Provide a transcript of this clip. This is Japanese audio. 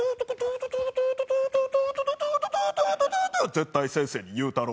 「絶対先生に言うたろ」